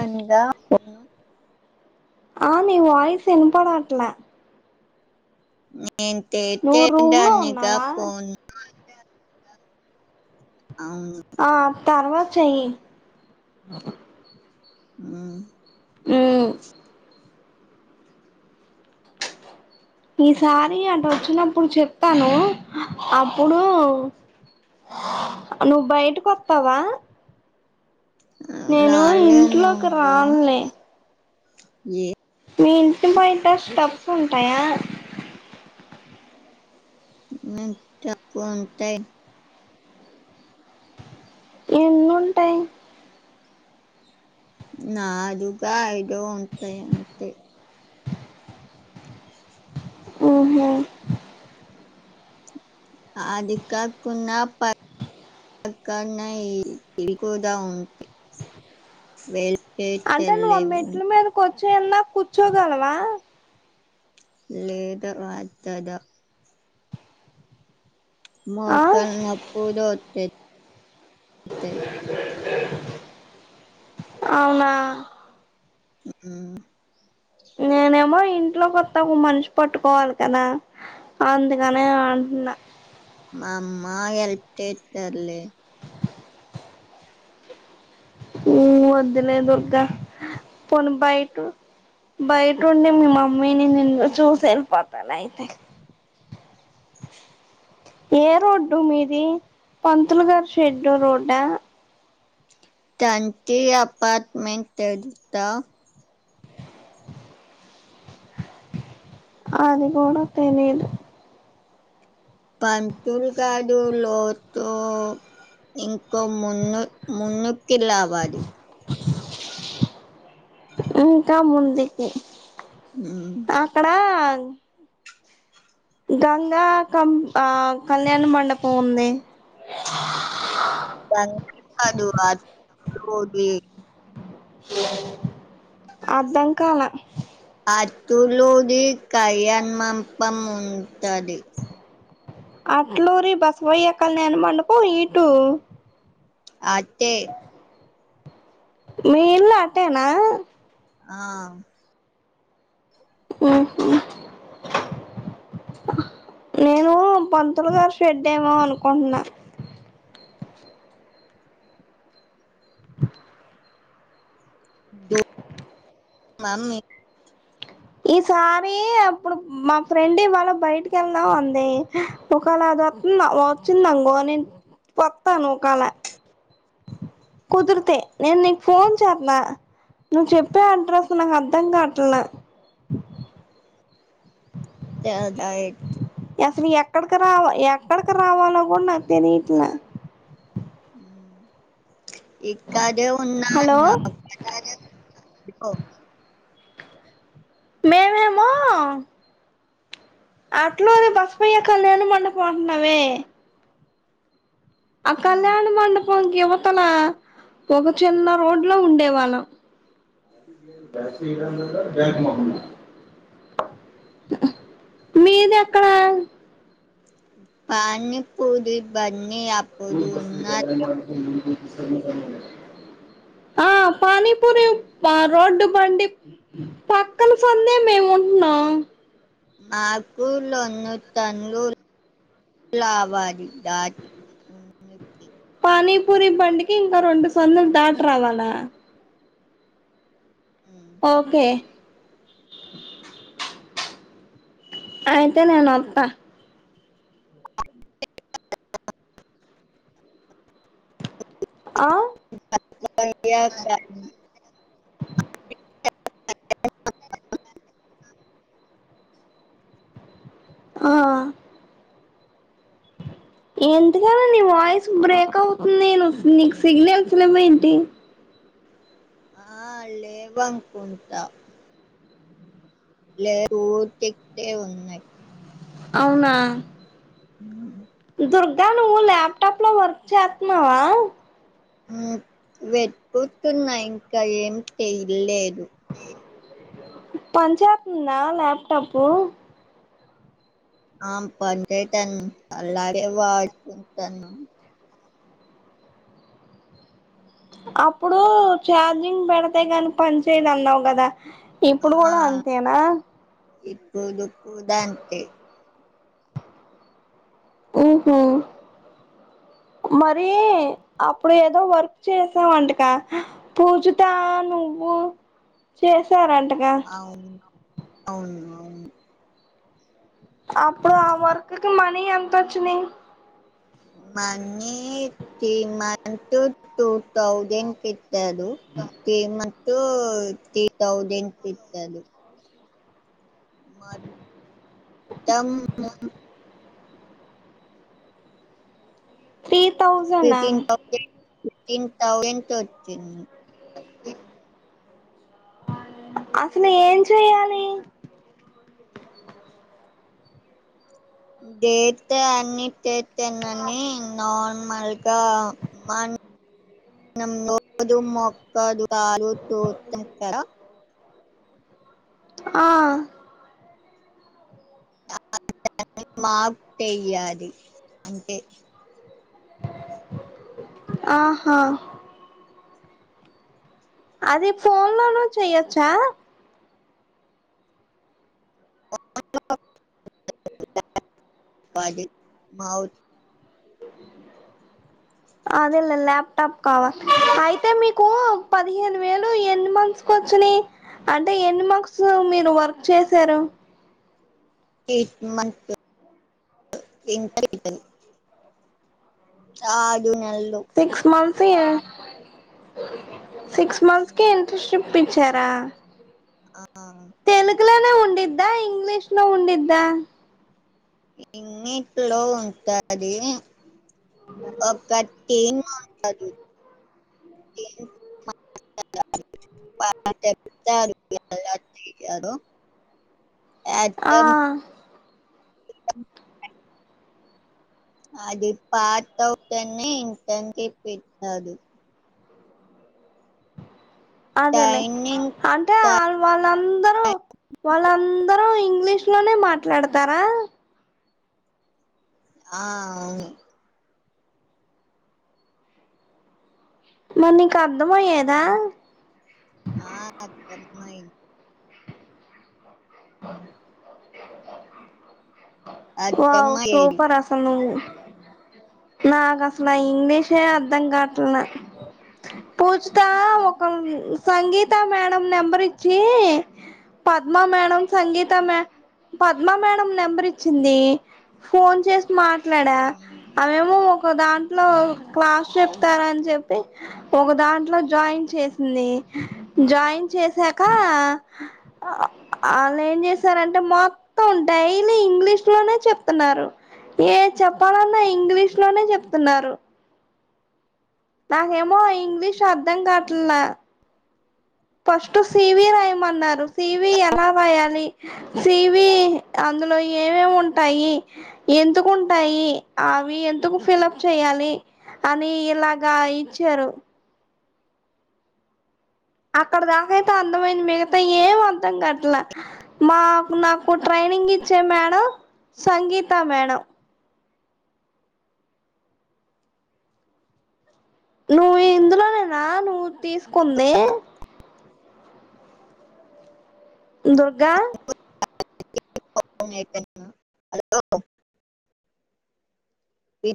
అయిందా పోను ఆ నీ వాయిస్ వినపడట్లే నేను నువ్వు రూమ్ లో తేతేయడానికా ఉన్నావా పోను అవును ఆ తర్వాత చేయ్యి హ్మ్ హ్మ్ ఈసారి అటు వచ్చినప్పుడు చెప్తాను. అప్పుడు నువ్వు బయటకు వత్తావా నేను ఇంట్లోకి లాలేనుగా రాన్లే ఏ ఉంటయా [unintelligible] ఉంటాయ్ ఏన్నీ ఉంటాయ్ నాలుగు, ఐదో ఉంటాయి. అంతే అవునా అది కాకుడా పకన్నా ఇది కూడా ఉంటాయి. [unintelligible] అంటే నువ్ తెల్లవి మెట్ల ఉంటాయి. మీద కొ కింద కూర్చోగలవా లేదు అద్దదా ఆ మోకాళ్ళ నొప్పులు వత్తాయి. అంతే అవునా ఆ నేనేమో ఇంట్లో కొత్త ఒక మనిషి పట్టుకోవాలి. కదా అందుకనే అంటున్నా. అమ్మా హెల్ప్ చేస్తారు. లే ఏమ్ వద్దులే దుర్గా పోని బయట బయట ఉండి. మీ మమ్మీని నిన్ను చూసి వెళ్ళిపోతాను. అయితే ఏ రోడ్డు మీది పంతులు గారి షెడ్ రోడ్డా. తంటి అపార్ట్మెంట్ త అది కూడా తెలీదు. పంతులు కాదు. లోతో ఇంకో ముందు ముందుకి రావాలి. ఇంకా ముందుకి ఉమ్. అక్కడ ఆ గంగా కం ఆ కళ్యాణ మండపం ఉందే. [unintelligible] అది పొది. స అర్ధం కాల త లో ఎ కయ్యాణమపం ఉ తది అట్లరి బసవయ్యాకల నేను పండిపో ఇటు అట్టే మీ ఇన్లా అట్టేనా ఆ నేను పతులు దష పెడ్డేమో అనుకుంటున్నా ద మమీ ఈసారి అప్పుడు మా ఫ్రెండ్ ఇవాళ బయటకి వెళ్దాం అంది ఒకేళ అది వస్తుంద వచ్చిందంగో నేను వస్తాను ఒకేళ కుదిరితే నేను నీకు ఫోన్ చేస్తా నువ్వు చెప్పే అడ్రస్ నాకు అర్థం కాట్ చదాయితే అసలు ఎక్కడికి రావ ఎక్కడికి రావలో కూడా నా తెేను ఇట్లా అ ఇక్కదే ఉన్నా హలో మేముేమో అట్లునే బసపోయ్యాక నేను మండపో ఉంటున్నావే ఆ ఉమ్, కళ్యాణ మండ పొంచి అక్కన ఒక చిన్న రోడ్ లో ఉండేవాళ్ళం జ ఇ ఉమ్. బ్యాంక్ మ మీది ఎక్కడ పనీ పూది బన్న మా బస్ ఆ పానీపూరి రోడ్డు బండి పక్కన పందే మేము ఉంటున్నాం మాకు లోన్ను తన్నలు వాలి ఉన్నూటి పూరి బంకి ఇంకా రెండు సందలు దాట రావాలా ఉమ్. ఓకే అయితే నేను అప్పా ఆ భ కా ఆ ఎంతకద నీ వాయిస్ బ్రేక్ అవుతుంది నేను నీకు సిగ్నల్స్ లేమోంటి ఆ లేేవం కుంట లే ఊరతెక్తే ఉన్నాయి అవునా ఉ దుర్గా నువ్వు ల్యాప్టాప్ లో వర్క్ చెత్తునవా వెట్కుతున్నా ఇంకా ఏం తెయలేద్ పని చేస్తుందా ల్యాప్టాపు ఆ పన్ చేతన్ అలాగే వాడుకుంటాన్ మ్ అప్పుడు ఛార్జింగ్ పెడతాయి కాని పని చేయద్ అన్నావు కదా ఇప్పుడు ఆ కూడా అంతేనా ఇప్పుడు కుదా అంతే ఊహు మరి అప్పుడు ఏదో వర్క్ చేసామంటకా పూజుతా నువ్వు చేసారన్ అవును అవును అవున్ అప్పుడు ఆ వర్క్ కి మనీ ఎంతో చ్చినయి మన్నీ ఈ మంతు టూ తౌసాండ్ కి చాడు కేమన్ టూ తీ థౌసెండ్ కి ఇచ్చాడు మాట్ తమ్ త్రీ ర్ తౌజనా ఫిఫ్ టీన్ థౌసండ్ కి వచ్చింది అసలు ఏం చెయ్యాలి డేట్ తే అన్ని తేతనని నామ్ మల్ కా మనం రోజు మొక్కదాలు తూదమ్ కద ఆ మప్టెయ్యాలి అంటే ఆహా అది ఫన్లోను చెయచ్చా [inaudible] పది మౌత్ అదే లే ల్యాప్టాప్ కావా అయితే మీకు పదిహేను వేలు ఎన్ని మంత్స్ కి వచ్చినయి అంటే ఎన్ని మంత్స్ మీరు వర్క్ చేసారు ఎయిట్ మంత్స్ [unintelligible] ఆ గ్ రు నెల్లు సియా సిక్స్ మంత్స్ కి ఇంటర్షిప్ ప్పించారా ఆ ల ఉండిద్దా ఇంగ్లీష్లో ఉండిద్దా ఇన్నిట్లో ఉంటది కటింగ్ [inaudible] [unintelligible] ఆ అటం అది పార్టౌట్ అనే ఇంటర్న్షిప్ ఇస్తారు అదేలే ట్రైనింగ్ అంటే త వాళ్ వాళ్ళందరూ వాళ్ళంద ఇంగ్లీష్లోనే మాట్లాడ్తారా ఆ అవును. మరి నీక్ అర్థమయ్యేదా ఆ అర్ధమైన్ అ వావ్ సూపర్ అసలు నువ్వు నాక్ అసల ఇంగ్లీషే అర్ధం కావడం పూజుతా ఒక సంగీతా మేడం నెంబర్ ఇచ్చి పద్మా మేడం సంగీతా మే పద్మా మేడం నెంబర్ ఇచ్చింది ఫోన్ చేస్ మాట్లాడా తనేమో ఒక దాంట్లో క్లాస్ చెప్తారని చెప్పి ఒక దాంట్లో జాయిన్ చేసింది. జాయిన్ చేసాక అల్లెం చేసారంటే మొత్తం డేలీ ఇంగ్లీష్లోనే చెప్తున్నారు ఏ చెప్పాలన్నా ఇ ఇంగ్లీష్లోనే చెప్తున్నారు నాకేమో ఇంగ్లీష్ అర్ధం కాట్లా ఫస్ట్ సీవీ రాయమన్నారు సీవి ఎలా రాయాలి సీవీ అందులో ఏమేం ఉంటాయి. ఎందుకు ఉంటాయి అవి ఎందుకు ఫిలఫ్ చేయాలి అని ఇలాగా ఇచ్చారు అక్కడ దాకైతే అందమైంది మిగతా ఏం అంతం గట్లా మాకు నాకు ట్రైనింగ్ ఇచ్చే మేడం సంగీత మేడం నువ్వు ఇందులోనేనా నువ్వు తీసుకుంది. దుర్గా హలో ఇ